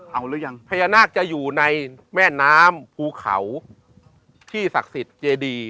เอาหรือยังพญานาคจะอยู่ในแม่น้ำภูเขาที่ศักดิ์สิทธิ์เจดี